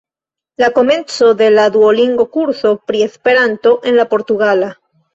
La komenco de la Duolingo-kurso pri Esperanto en la portugala.